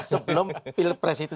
sebelum pilpres itu